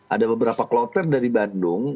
ada beberapa kloter dari bandung